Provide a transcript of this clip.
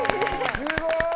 すごい。